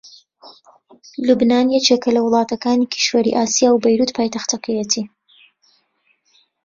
لوبنان یەکێکە لە وڵاتەکانی کیشوەری ئاسیا و بەیرووت پایتەختەکەیەتی